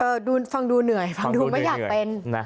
ฟังดูเหนื่อยฟังดูไม่อยากเป็น